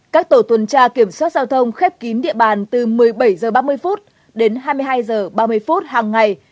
các tổ tuần tra kiểm soát giao thông khép kín địa bàn từ một mươi bảy h ba mươi đến hai mươi hai h ba mươi phút hàng ngày